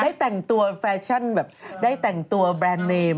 ได้แต่งตัวแฟชั่นแบบได้แต่งตัวแบรนด์เนม